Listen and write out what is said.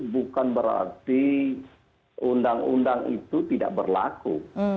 bukan berarti undang undang itu tidak berlaku